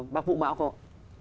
bác vũ mão không